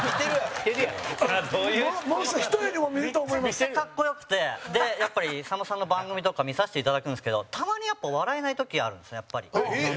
栗谷：めちゃくちゃ格好良くてやっぱり、さんまさんの番組とか見させていただくんですけどたまに、笑えない時あるんですよね、やっぱり。